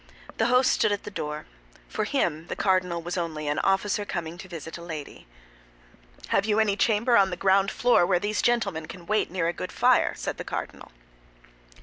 The host stood at the door. For him, the cardinal was only an officer coming to visit a lady. "Have you any chamber on the ground floor where these gentlemen can wait near a good fire?" said the cardinal.